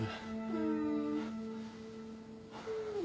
うん。